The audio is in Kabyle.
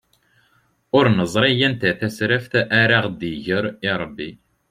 Ur neẓri anta tasraft ara aɣ-d-igren irebbi.